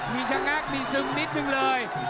มีชะงักมีซึงนิดนึงเลย